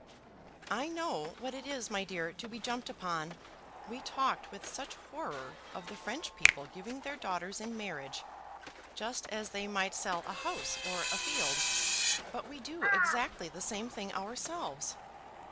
"I know what it is, my dear, to be jumped upon. We talked with such horror of the French people giving their daughters in marriage, just as they might sell a house or a field, but we do exactly the same thing ourselves.